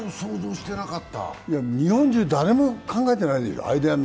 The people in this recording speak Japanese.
日本中、誰も考えてないでしょう。